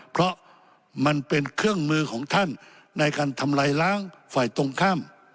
เพราะมันเป็นเครื่องมือของท่านในการทำลายล้างฝ่ายตรงข้าม